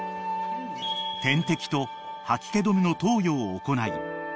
［点滴と吐き気止めの投与を行い